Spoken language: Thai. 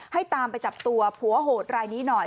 ให้ตามไปจับตัวผัวโหดรายนี้หน่อย